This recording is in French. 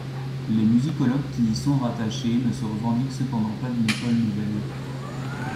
Les musicologues qui y sont rattachés ne se revendiquent cependant pas d'une école nouvelle.